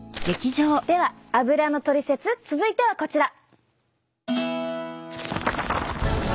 ではアブラのトリセツ続いてはこちら。